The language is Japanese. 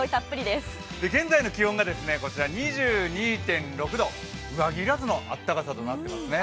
現在の気温が２２．６度、上着要らずの暖かさとなっていますね。